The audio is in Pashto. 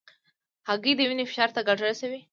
هګۍ د وینې فشار ته ګټه رسوي.